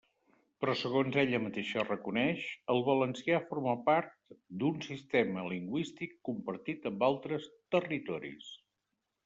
Però segons ella mateixa reconeix, el valencià forma part d'un sistema lingüístic compartit amb altres territoris.